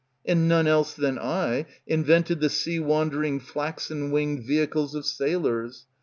And none else than I invented the sea wandering Flaxen winged vehicles of sailors.